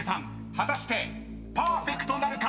果たしてパーフェクトなるか］